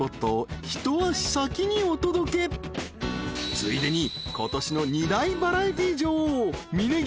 ［ついでに今年の２大バラエティー女王峯岸